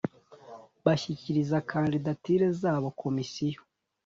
bashyikiriza kandidatire zabo Komisiyo